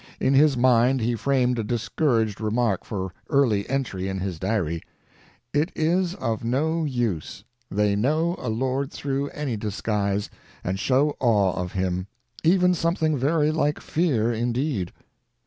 In his mind he framed a discouraged remark for early entry in his diary: "It is of no use; they know a lord through any disguise, and show awe of him—even something very like fear, indeed."